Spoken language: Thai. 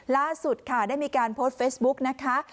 ล่าสุดค่ะได้มีการโพสต์เฟซบุ๊กนะคะ